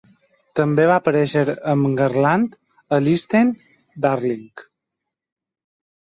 També va aparèixer amb Garland a Listen, Darling.